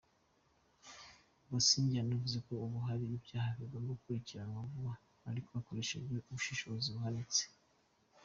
Busingye yanavuze ko ubu hari ibyaha bigomba gukurikiranwa vuba ariko hakoreshejwe ubushishozi buhanitse.